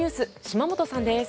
島本さんです。